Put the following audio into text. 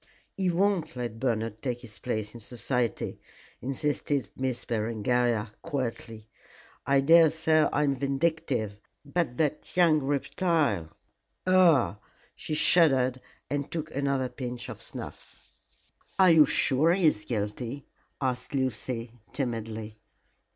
"He won't let Bernard take his place in society," insisted Miss Berengaria, quietly. "I daresay I am vindictive, but that young reptile ugh!" She shuddered and took another pinch of snuff. "Are you sure he is guilty?" asked Lucy, timidly.